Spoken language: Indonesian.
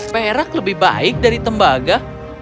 perak lebih baik dari tembaga